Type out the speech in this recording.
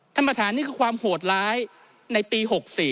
ธรรมฐานนี้คือความโหดร้ายในปี๖๔